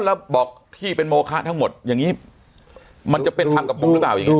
แล้วบอกที่เป็นโมคะทั้งหมดอย่างนี้มันจะเป็นธรรมกับผมหรือเปล่าอย่างนี้